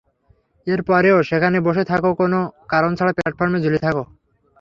এরপরেও সেখানে বসে থাকো কোন কারণ ছাড়া প্লাটফর্মে ঝুলে থাকো।